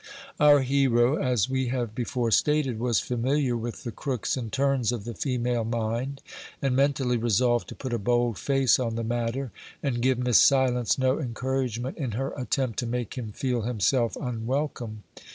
Our hero, as we have before stated, was familiar with the crooks and turns of the female mind, and mentally resolved to put a bold face on the matter, and give Miss Silence no encouragement in her attempt to make him feel himself unwelcome.